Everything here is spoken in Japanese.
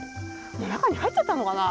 中に入っちゃったのかな？